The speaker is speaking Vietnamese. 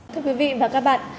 thưa quý vị và các bạn